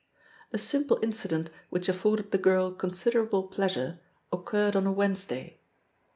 A simple incident which afforded the girl con siderable pleasure occurred on a Wednesday.